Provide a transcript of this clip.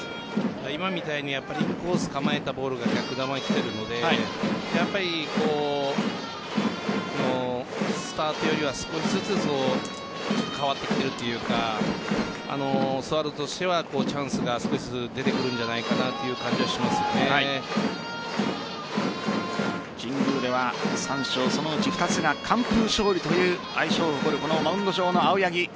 今みたいにインコースに構えたボールが逆球に来てるのでスタートよりは少しずつ変わってきているというかスワローズとしてはチャンスが少しずつ出てくるんじゃないかという神宮では３勝そのうち２つが完封勝利という相性を誇るこのマウンド上の青柳。